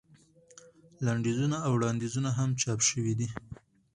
لنډیزونه او وړاندیزونه هم چاپ شوي دي.